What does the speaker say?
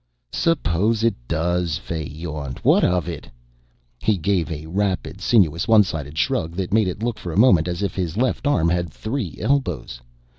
"Suppose it does?" Fay yawned. "What of it?" He gave a rapid sinuous one sided shrug that made it look for a moment as if his left arm had three elbows.